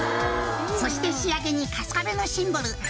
「そして仕上げに春日部のシンボル